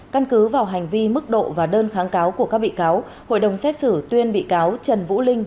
căn cứ vào hành vi mức độ và đơn kháng cáo của các bị cáo hội đồng xét xử tuyên bị cáo trần vũ linh